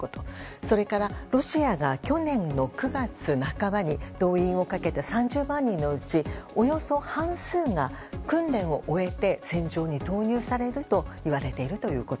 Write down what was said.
それからロシアが去年の９月半ばに動員をかけた３０万人のうちおよそ半数が訓練を終えて戦場に投入されるといわれていること。